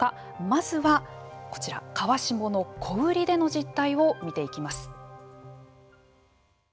まずはこちら、川下の小売りでの実態を見ていきます。